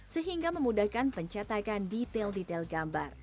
sehingga memudahkan pencetakan detail detail gambar